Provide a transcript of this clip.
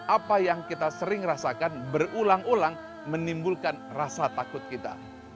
apa yang kita sering rasakan berulang ulang menimbulkan rasa takut kita